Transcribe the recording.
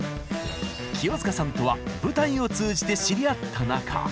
清塚さんとは舞台を通じて知り合った仲！